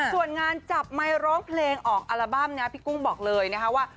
ส่วนงานจับไมค์ร้องเพลงออกอัลบั้มนะพี่กุ้งบอกเลยนะคะว่า